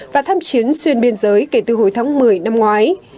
và thăm chiến xuyên biên giới kể từ hồi tháng một mươi năm ngoái